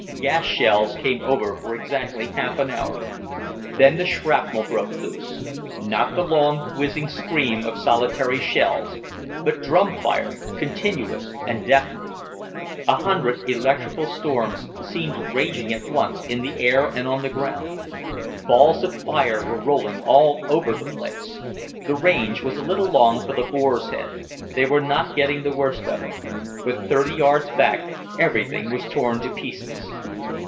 Gas shells came over for exactly half an hour. Then the shrapnel broke loose; not the long, whizzing scream of solitary shells, but drum fire, continuous and deafening. A hundred electrical storms seemed raging at once, in the air and on the ground. Balls of fire were rolling all over the place. The range was a little long for the Boar's Head, they were not getting the worst of it; but thirty yards back everything was torn to pieces.